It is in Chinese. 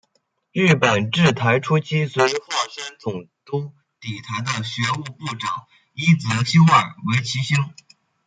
日本治台初期随桦山总督抵台的学务部长伊泽修二为其兄。